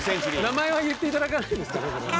名前は言って頂かないんですかね。